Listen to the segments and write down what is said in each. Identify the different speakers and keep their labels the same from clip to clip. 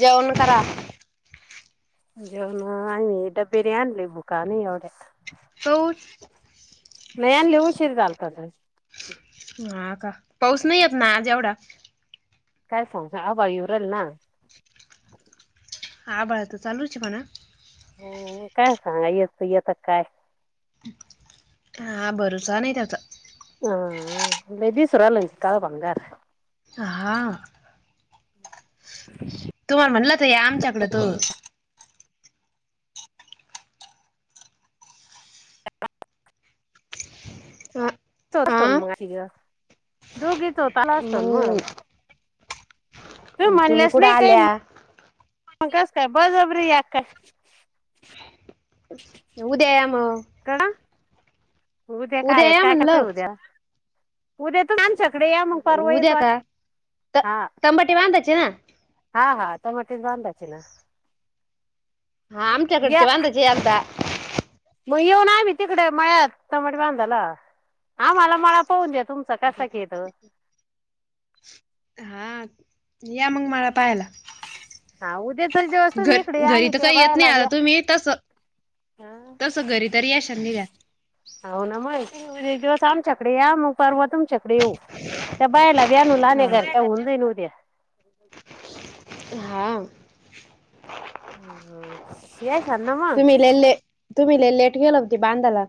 Speaker 1: जेवण करा
Speaker 2: जेवण आहे मी डबेरी आणली भुकाने एवढ्या
Speaker 1: तोच [inaudible]
Speaker 2: मली हुशीर दलतत
Speaker 1: हा का पाऊस नाही य ना आज एवढा
Speaker 2: काय सांज आव युरल ना [inaudible]
Speaker 1: हा बड त चालूच मणा [inaudible]
Speaker 2: हम् काय सांगा येत येता काय
Speaker 1: हा भरोसा नाही त्याचा
Speaker 2: हे बीसरालाज कादा पणणारार [inaudible]
Speaker 1: हा तुमला म्हणलं तर या आमच्याकड तू
Speaker 2: ह
Speaker 1: अ
Speaker 2: असतन
Speaker 1: आ
Speaker 2: म दूघतो तला असस्तवन म
Speaker 1: मग तुम्ही कुठे
Speaker 2: काही
Speaker 1: आल्या
Speaker 2: मग कस काय बजबरी या काय
Speaker 1: उद्या म
Speaker 2: कळा उद्या काय काय कसंय
Speaker 1: म्हणलं
Speaker 2: उद्या उद्या तू आमच्या इकडे या मग परव
Speaker 1: उद्या
Speaker 2: येतो
Speaker 1: का त
Speaker 2: हा
Speaker 1: तंबाटे बांधायचे ना
Speaker 2: हा हा तटच वांदाच ना
Speaker 1: हा आमच्याकडचे
Speaker 2: या
Speaker 1: वांधाचे आध
Speaker 2: मग येऊन आम्ही तिकडे मळ्यात चमट बांधाला आम्हाला मळा पाहून देत तुमच कसं घेत
Speaker 1: हा या मग मला पाहायला
Speaker 2: हा उद्याचा दिवस तुम्ही
Speaker 1: घर
Speaker 2: इकडे या
Speaker 1: घरी
Speaker 2: आम्ही
Speaker 1: तर
Speaker 2: त्या
Speaker 1: काही येत नाही
Speaker 2: बायाला
Speaker 1: आता
Speaker 2: या.
Speaker 1: तुम्ही तस तस घरी तरी याशनी घ्या
Speaker 2: एक दिवस आमच्याकडे या मग पर्वतुमच्याकडे येऊ त्या बायला वि्याहणू लाण्या
Speaker 1: हा
Speaker 2: घते ह न उद्या
Speaker 1: हा
Speaker 2: हम्
Speaker 1: तुम्ही ललेले तुम्ही लले लेट गेल होती बांधाला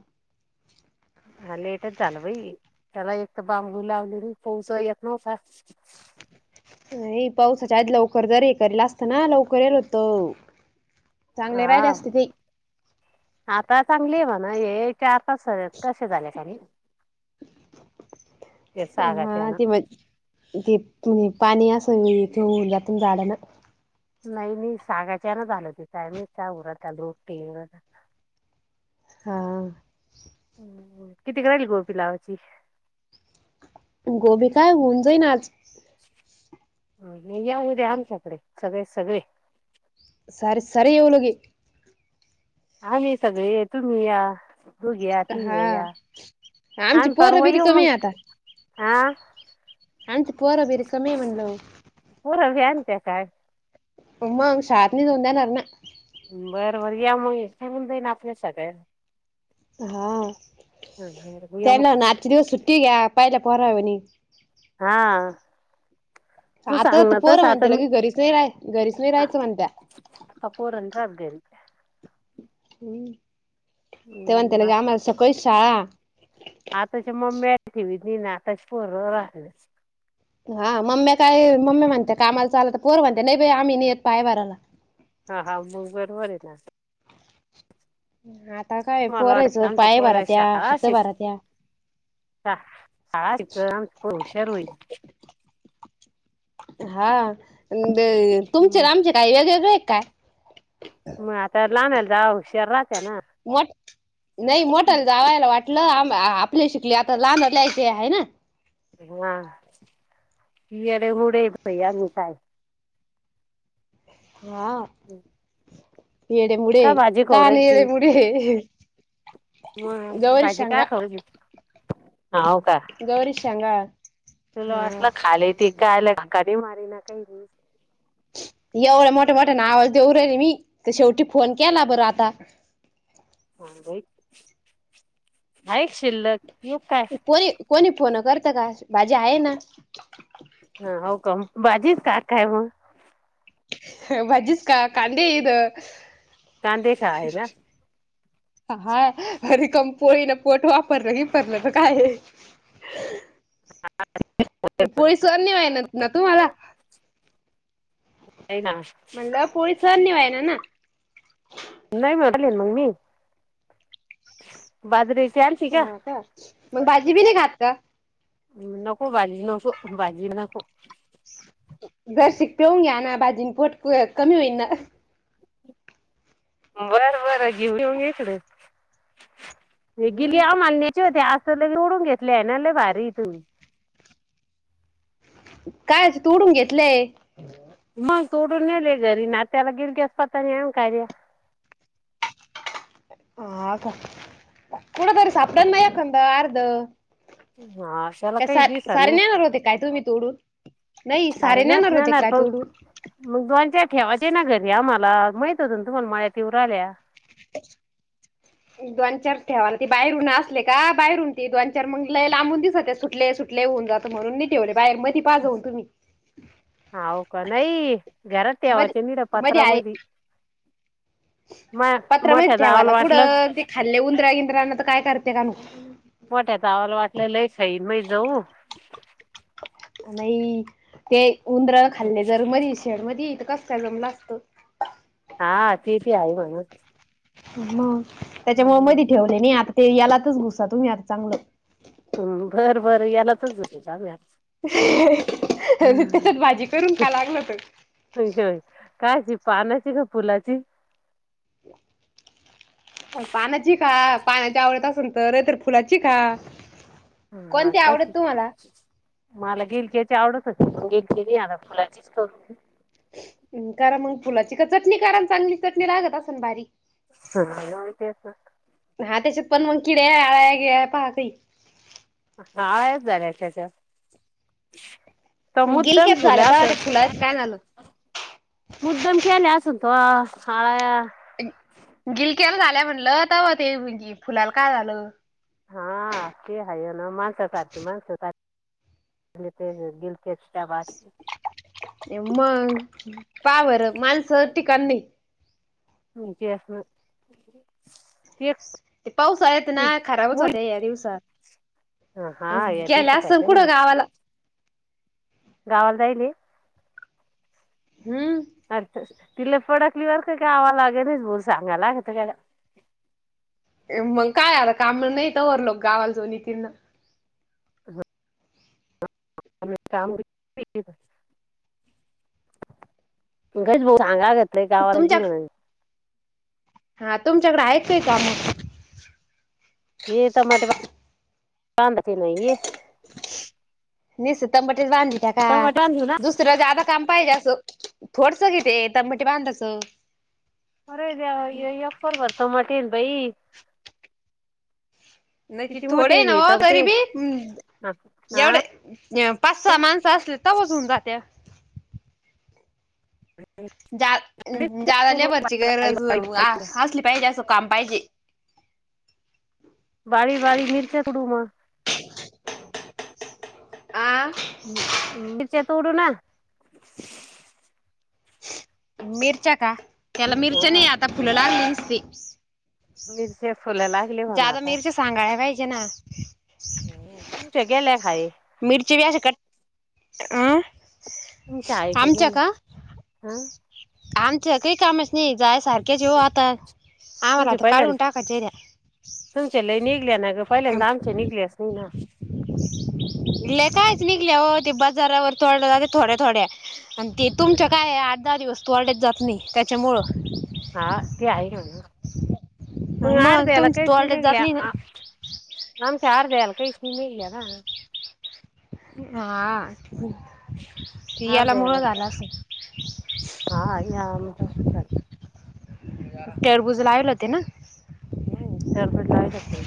Speaker 2: हा लेटच झालं भाई त्याला एक तर बांबू लावलेली पोच येत नव्हता
Speaker 1: हे पावसाच्या आधी लवकर जरी हे करेल असतं ना लवकर येल होत चांगले राहिले
Speaker 2: हा
Speaker 1: असते ते
Speaker 2: आता चांगली आहे ब ना हे चार तास कसे झाले खाली
Speaker 1: हा
Speaker 2: सागाच्यान
Speaker 1: ती म त पाणी अस इथून उातून जाढ ना
Speaker 2: नाही नाही सागाच्यान झालतीि काय मी चा उर त्या लोप टी
Speaker 1: हा
Speaker 2: म् किती राहील गोपी लावाची
Speaker 1: गोबी काय होऊन जाई ना आज
Speaker 2: ह नाही याऊद्या आमच्याकडे सगळे सगळे
Speaker 1: सर सरी येवलग
Speaker 2: हा मी सगळे येतु मी या हो घ तीन
Speaker 1: हा
Speaker 2: गया आ
Speaker 1: आमची पोरं
Speaker 2: परव
Speaker 1: बिरी कमी
Speaker 2: मग आा
Speaker 1: आणनच पर वर कामे म्हणल
Speaker 2: त्या काय
Speaker 1: उ् ाातने तोंद्यानणार
Speaker 2: बरं बर या मग सांगून देई ना आपल्या स काळे
Speaker 1: हा
Speaker 2: बरं, या
Speaker 1: त्या
Speaker 2: मग
Speaker 1: ना आजचे दिवस सु ठी घ्या पाहिला परावन
Speaker 2: हा तू सांग
Speaker 1: आताता
Speaker 2: ना
Speaker 1: पोर
Speaker 2: तसं आता
Speaker 1: म्हणते ल
Speaker 2: मी
Speaker 1: की घरीच नाही रा घरीच नाही राहायचं म्हणत
Speaker 2: कपूरंत अदल
Speaker 1: हम्म तेव्हाण
Speaker 2: हं,
Speaker 1: त्याला ग
Speaker 2: आता-
Speaker 1: आम्हाला सकळीश
Speaker 2: आताच्या मम्मी ी ना आताच पोर राहले
Speaker 1: हा मम्म्या काय मम्मी म्हणते कामाला चालला तर पोर म्हणते नाही बा आम्ही नाही येत पायभारला
Speaker 2: हा हा मग बरोबर आहे ना
Speaker 1: ह
Speaker 2: मला वाट आमच पोराश
Speaker 1: हात
Speaker 2: शि
Speaker 1: भरात्या
Speaker 2: ळािकमच हुशार होईल
Speaker 1: हा तुमचे
Speaker 2: मग
Speaker 1: आमचे काय वेगवेगळ एक काय
Speaker 2: म आता ला आम्याल जा हुशारात
Speaker 1: मोठ नाही मोटाल जावायला वाट म्हटलं आपले शिकले आता लहान लयचे आहे ना
Speaker 2: हा कडे मुडे भई आ काय
Speaker 1: हा येढे मुडे
Speaker 2: का भाजी
Speaker 1: काने येे मुडे
Speaker 2: ह
Speaker 1: गौरी
Speaker 2: भाजी काय
Speaker 1: शांगा
Speaker 2: खाऊ घी हा हो का
Speaker 1: सांगा
Speaker 2: तुला वाटलं खाली त का आलं कधी मारी ना काय
Speaker 1: एवढे मोठे मोठ्या ना आवाज देऊे रे मी तर शेवटी फोन केला बरं आता
Speaker 2: ऐक शिल्लक येऊ काय
Speaker 1: कोणी कोणी फोन करत का भाजी आहे ना
Speaker 2: हा हो काम बाजीच काकाय मग
Speaker 1: भजिस् का कांदे इ
Speaker 2: कादे ख आ आहेला
Speaker 1: हाय ररिकम पोळीन पोट वापरलं कीपरलं काय [unintelligible] पोरी सन नाय होईनात नाय तुम्हाला
Speaker 2: नाही ना
Speaker 1: म्हणलं पोलि सन निवाय ना ना
Speaker 2: नाही म्हणाले मग मी बाजरीे
Speaker 1: हांका मग भाजी बी नाही खात का
Speaker 2: नको भाजी नको भाजी नको.
Speaker 1: दर शिक पेऊून घ्या ना बाजी पोट कमी होईल ना
Speaker 2: बरं बरं घेऊ येऊ इकडे हे गेली
Speaker 1: हम्म,
Speaker 2: अ माणण्याची होते असी ओडून घेतलेय ना ल भारी त
Speaker 1: काय तू उडून घेतलंय
Speaker 2: मग तोडून नेले घरी ना त्याला गिलगस पातने ये काय र्या
Speaker 1: [unintelligible] हा का कुणार सापड मकंद अर्ध
Speaker 2: हा अशाला
Speaker 1: काय
Speaker 2: काही
Speaker 1: स सारे
Speaker 2: दिवसांनी
Speaker 1: नेणार होते काय तुम्ही तोडून नाही सारे
Speaker 2: मरेल होत
Speaker 1: नेणार होते
Speaker 2: नाणार
Speaker 1: काय
Speaker 2: प
Speaker 1: तोडून
Speaker 2: मग दोनच्या ठेवाचे ना घरी आम्हाला माहित होत ना तुम्हाला माळ्या तीवर आल्या
Speaker 1: दोनचार ठेवाला ती बारून असले का बाहेरून ती दोनचार मग ल लांबून दिसते सुटले सुटले म्हणून ठेवले बाहेर मध्ये पाजवून तुम्ही
Speaker 2: होव का नाही घरात
Speaker 1: मध
Speaker 2: यावाच्या निड्या पात्रामध्येध
Speaker 1: पत्र माहहिती मला
Speaker 2: वाटलं
Speaker 1: कुठं ते खाल्ले उंदरा्या बिंद्रान तर काय करते का म
Speaker 2: मोठ्या तवाल वाटले लई खई मही जाऊ
Speaker 1: नाही ते उंदर खाल्ले जर मध शेड मध तर कस त्यालम लागतो.
Speaker 2: हा तेती आ म्हण
Speaker 1: मग त्याच्यामु मध्ये ठेवले नाही आता ते यालातच गुसा तुम्ही आता चांगलं
Speaker 2: हम् बर बर यालातच हो जा-
Speaker 1: त्यात भाजी करून का लागल तर
Speaker 2: कायची पानाची का फुलाची
Speaker 1: हो [unintelligible] पाण्याची खा पाण्याच्या आवडत असेल तर तर फुलाची खा
Speaker 2: ह हा
Speaker 1: कोणती आवडत तुम्हाला
Speaker 2: तस मला गिलक्याची आवडतच घेत गेली आता फुलाचीच कर
Speaker 1: कारण मग फुलाची का चटणी कण चांगली चटणी लागत अस भारी
Speaker 2: हती [unintelligible]
Speaker 1: हा त्याच्यात पण मग किडे आळा गे पहकरी
Speaker 2: हा यच झालेच. तर मुद्दम
Speaker 1: गिलक्यात
Speaker 2: ठुले
Speaker 1: झाल्या
Speaker 2: अस
Speaker 1: तेव्हा ते फुलाला काय झालं
Speaker 2: मुद्दम ख्याले अस तो हळा
Speaker 1: गिलक्याला झाल्या म्हणलंताव ते म्हणजे फुलाला काय झालं
Speaker 2: हा ते हाय ना माणस सारती माणस ते गिल चचेष्टा वा [inaudible]
Speaker 1: मग पहा बरं माणसं ठिका नाही
Speaker 2: मक अस असण
Speaker 1: ते पाऊसाळात ना खराबच
Speaker 2: मुल
Speaker 1: होते या दिवसात
Speaker 2: हा या
Speaker 1: गेले
Speaker 2: दिसत
Speaker 1: असल
Speaker 2: आहे ना
Speaker 1: कुठं गावाला
Speaker 2: गावाला जायल
Speaker 1: हम्म
Speaker 2: [inaudible] तिला फडकलीवर का गावा लागे नाहीच बोल सांगायलागता गड
Speaker 1: मग काय आता काम नाही तरवरर लोक गावाल जोन तिना
Speaker 2: का?
Speaker 1: [unintelligible]
Speaker 2: इकश भाऊ सांगा घेत रय गावा ती
Speaker 1: तुमच्या
Speaker 2: म्हणून.
Speaker 1: हा तुमच्याकडे आहेत काय काम.
Speaker 2: ये त बांध नाही ये.
Speaker 1: निीसतमबटी बांधली त्या का
Speaker 2: टमाटे बांधू ना
Speaker 1: दुसरं जादा काम पाहिजे असं. थोडस घिथे तबट बांधास.
Speaker 2: अर त्या अफर भरस म भाई.
Speaker 1: नक्कीि थोडे नव तरी बी.
Speaker 2: हा
Speaker 1: एवढे पाच सहा माणसं असले तरवज होऊन जाताते. जा जाल्यावररची गरज असली पाहिजे असं काम पाहिजे. [unintelligible]
Speaker 2: भारी वारी मिर चकडू म.
Speaker 1: आ
Speaker 2: मिरच्या तूडू ना.
Speaker 1: मिरच्या का त्याला मिरच्या नाही
Speaker 2: हा
Speaker 1: आता फुलं ला मसती.
Speaker 2: मिरच्या फुल ला
Speaker 1: जादा मिरच्या सांगाळय पाहिजे ना.
Speaker 2: हो तुमच्या गेले खाय.
Speaker 1: मिरची बी अस कट अं.
Speaker 2: तुमच्या आहे का गला हं.
Speaker 1: आमच्याकही कामच नाही जाय सारखे जेव आता आम्हार
Speaker 2: तुमच्या
Speaker 1: आता काढून
Speaker 2: पहिल्यांदा
Speaker 1: टाका चेऱ्या.
Speaker 2: तुमच्या ल निघल्या ना ग पहिल्यांदा आमच्या निघल्यास नाही ना.
Speaker 1: ले काय. निघल्या हो ते बाजारावर थोड जागे थोड्या थोड्या आणि ते तुमं
Speaker 2: हा.
Speaker 1: काय. दाा दिवस्तू वाडे जात नाही त्याच्यामुळं.
Speaker 2: हा ते आय म्ह.
Speaker 1: मग
Speaker 2: आरत
Speaker 1: तुम तोडल्याच
Speaker 2: लकेशंग.
Speaker 1: जात नाही
Speaker 2: नम चार दे अल का इसणंद इलला.
Speaker 1: हा. याला मुहळ
Speaker 2: अर्ध्याला
Speaker 1: झाला अस.
Speaker 2: हा या [unintelligible]
Speaker 1: टरबुज लावला होते ना.
Speaker 2: डला खु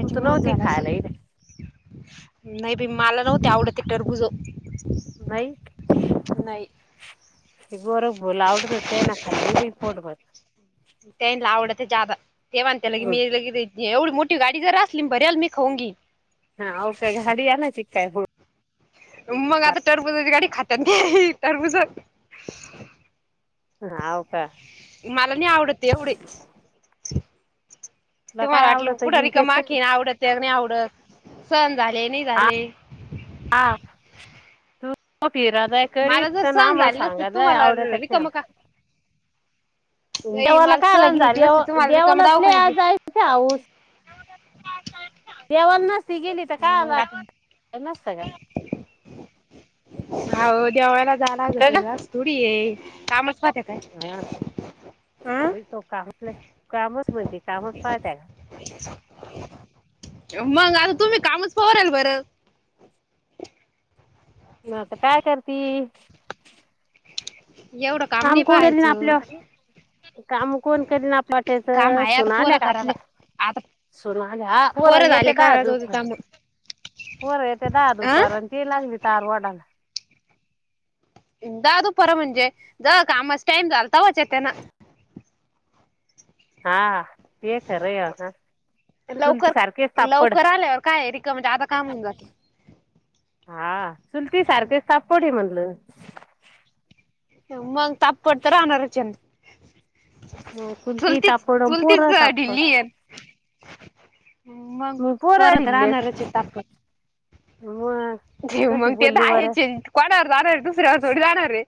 Speaker 2: तूत नव्हती
Speaker 1: झालं असेल
Speaker 2: खायलाही र.
Speaker 1: नाही प मला नव्हते आवडत एकटरबुज.
Speaker 2: नाहीई. बरला आवडत ते ना खाल्ली पोटपत.
Speaker 1: त्यांना आवडते जादा तेव्हाण त्या ल के मी एवढी मोठी गाडी जर असली बरल मी खांगी.
Speaker 2: हा औफग हडया ना चिखाय हळ.
Speaker 1: मग आता टरपुजची गाडी खातात नाही टरपुज.
Speaker 2: ह हव का.
Speaker 1: मला नाही आवडत एवढी.
Speaker 2: तुला
Speaker 1: तुम्हाला
Speaker 2: काय
Speaker 1: आटलं
Speaker 2: आवडत
Speaker 1: कुठ
Speaker 2: गेल
Speaker 1: रिक माखी नाही आवडत नाही आवडत स. झाले नाही
Speaker 2: हा
Speaker 1: झाले.
Speaker 2: म फिरादाय
Speaker 1: मला
Speaker 2: करत
Speaker 1: जर
Speaker 2: तर ना
Speaker 1: सहन
Speaker 2: मग
Speaker 1: झाले नसते
Speaker 2: सांगा दय
Speaker 1: तुम्हाला
Speaker 2: आवडत नाही आ.
Speaker 1: रिकाम का नाही
Speaker 2: देवाला
Speaker 1: मला
Speaker 2: काय ला
Speaker 1: सहन
Speaker 2: गेली
Speaker 1: झाले नसते
Speaker 2: देवा
Speaker 1: तुम्हाला रिकाम
Speaker 2: देवालातले आज
Speaker 1: दवाखान्यात
Speaker 2: ते हऊस. यावण नसती गेली तर काय
Speaker 1: मग
Speaker 2: आला
Speaker 1: आता
Speaker 2: नसत ग.
Speaker 1: हो देवाला जालाग होत थोडी ये कामच वाात्या काय.
Speaker 2: अ तो कामातला कामच म्हणते कामच पाहतय का.
Speaker 1: मग आता
Speaker 2: हं.
Speaker 1: तुम्ही कामच पवारल बरं.
Speaker 2: मता काय कररती.
Speaker 1: एवढं काम
Speaker 2: आम
Speaker 1: नाही
Speaker 2: कोण येल ना
Speaker 1: पाहायचं
Speaker 2: आपल्या. काम कोण केले ना
Speaker 1: काम
Speaker 2: पटायचं
Speaker 1: आहे
Speaker 2: सुून
Speaker 1: आता
Speaker 2: आल्या
Speaker 1: पोरं
Speaker 2: का
Speaker 1: करायला
Speaker 2: आपल्या
Speaker 1: आता
Speaker 2: सनू आले हार
Speaker 1: पोरं झाले
Speaker 2: येते द
Speaker 1: करायच होते
Speaker 2: दुख.
Speaker 1: काम
Speaker 2: होर येते दहा दुपार आणि
Speaker 1: अं
Speaker 2: ते लागली तार वडाला.
Speaker 1: द दुपर म्हणजे जा कामास टाइम झालता वाच त्या ना.
Speaker 2: हा ते कर र.
Speaker 1: लवकर लवकर आल्यावर काय रिकम म्हणजे आता काम होऊन जात.
Speaker 2: हा सुलती सारखे सापड म्हणलं
Speaker 1: मग तप पडतार राणारर चंद
Speaker 2: मग चुलती
Speaker 1: चुलतीच
Speaker 2: तापड आणि
Speaker 1: चुलतीच
Speaker 2: पोरं तापड
Speaker 1: ढिली आहे मग
Speaker 2: पोरं
Speaker 1: परत
Speaker 2: दिल्लेत
Speaker 1: राहणारचे त आपण
Speaker 2: मग
Speaker 1: ज
Speaker 2: कशी
Speaker 1: मग ते तर
Speaker 2: बोलली बरं
Speaker 1: आहेचे कोणावर जाणारे दुसऱ्यावर थोढ जाणारे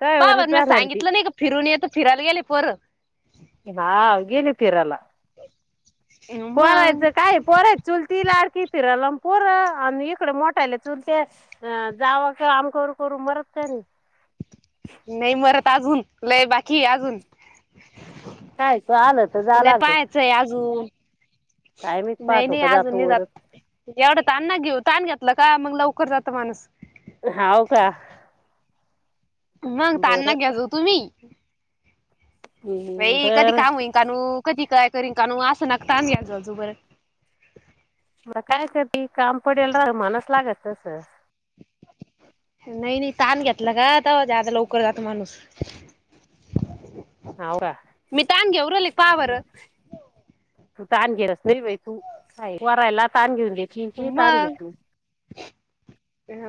Speaker 2: काय बरं
Speaker 1: पावा म
Speaker 2: जाणार ती
Speaker 1: सांगितलं नाही का फिरून येत फिरायला गेले पोरं.
Speaker 2: ना अगेन य तिरला.
Speaker 1: मग
Speaker 2: पोरायचं काय पोरायच चुल त ला. कि फिरायला पोर आणि इकडे मोठायले चुल ते अ जाव आम कर करून मरत. तेन.
Speaker 1: नाही मरत अजून लय बाकी अजून.
Speaker 2: काय तू आलं तर जा
Speaker 1: ल
Speaker 2: लागत
Speaker 1: पाहाचंय अजून.
Speaker 2: काय मी
Speaker 1: नाही
Speaker 2: पाहतो
Speaker 1: नाही
Speaker 2: का जातो
Speaker 1: अजून
Speaker 2: वरच
Speaker 1: जात एवढा तान ना घेऊ ताण घ्या. काय मग लवकर जात माणस.
Speaker 2: हव का..
Speaker 1: मग
Speaker 2: बर
Speaker 1: त्यांना घ्याच हो तुम्ही. वई कधी
Speaker 2: बर
Speaker 1: काय म इं काणू. कधी काय करीन कानू असं नकता आणी आजूजूबर.
Speaker 2: मला काय कर त काम पडेल रा म्हणस लागत तस.
Speaker 1: नाही नाही ताण घेतला का आता आता लवकर जातो माणूस.
Speaker 2: हाव का
Speaker 1: मी तांगेवर ल पावरर.
Speaker 2: तू ताण घेलास नाही बा तू वरायला ताण घेऊन घेत
Speaker 1: उमा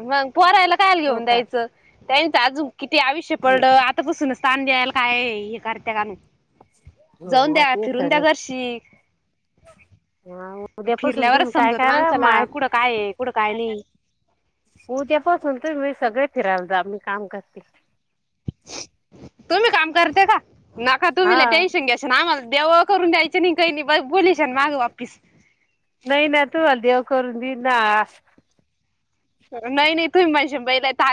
Speaker 1: मग पोरायला कायल
Speaker 2: हो
Speaker 1: घेऊन
Speaker 2: काय
Speaker 1: द्यायचं त्या अज किती आयुष्य
Speaker 2: नाही.
Speaker 1: पडलं आतापसून स्थान द्यायला काय हे कारत गाने जाऊन
Speaker 2: हो,
Speaker 1: द्या
Speaker 2: ते
Speaker 1: फिरून
Speaker 2: खरं
Speaker 1: द्या
Speaker 2: आहे.
Speaker 1: जर्श
Speaker 2: हा, उद्यापासून
Speaker 1: फिरल्यावरच
Speaker 2: तुम्ही काय
Speaker 1: समजवत
Speaker 2: करा
Speaker 1: माणसाला
Speaker 2: माय
Speaker 1: कुठं काय कुठं काय नाही
Speaker 2: उद्यापासून तर मी सगळे फिरायल जा मी काम करते
Speaker 1: तुम्ही काम करते का नका
Speaker 2: हा
Speaker 1: तुम्हीला टेन्शन घ्याश ना आम्हाला देव करून द्यायच नाही काही नाही बोलीशान मग वापिस
Speaker 2: नाही ना तूला देव करून दे ना
Speaker 1: नाही नाही तुमही माझे बैलाा